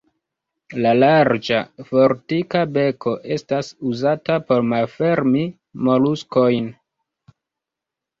La larĝa, fortika beko estas uzata por malfermi moluskojn.